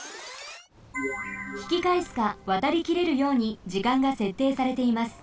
ひきかえすかわたりきれるように時間がせっていされています。